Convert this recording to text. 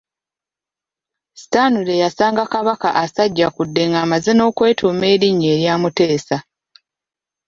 Stanley yasanga Kabaka asajjakudde ng'amaze n'okwetuuma erinnya erya Mutesa.